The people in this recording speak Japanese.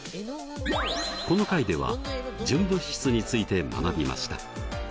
この回では純物質について学びました。